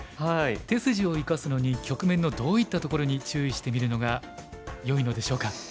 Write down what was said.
手筋を生かすのに局面のどういったところに注意して見るのがよいのでしょうか？